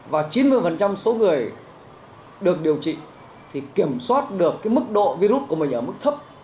và chín mươi số người được điều trị thì kiểm soát được mức độ virus của mình ở mức thấp